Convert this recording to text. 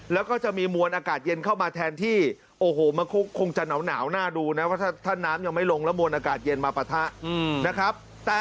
แล้วก็จะมีมวลอากาศเย็นเข้ามาแทนที่โอ้โหมะคุกคงจะหนาวน่าดูนะว่าถ้าน้ำยังไม่ลงแล้วมวลอากาศเย็นมาปะทะนะครับ